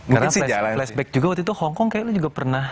karena flashback juga waktu itu hongkong kayaknya lu juga pernah